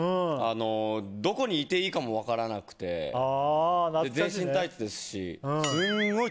あのどこにいていいかも分からなくてで全身タイツですし。